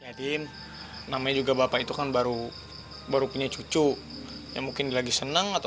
edin namanya juga bapak itu kan baru baru punya cucu yang mungkin lagi senang atau